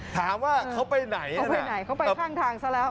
ถามว่าเขาไปไหนเขาไปไหนเขาไปข้างทางซะแล้ว